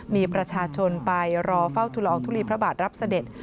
มีประชาชนไปรอเฝ้าทุลอองทุลีพระบาทรับเสด็จ